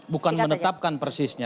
bukan menetapkan persisnya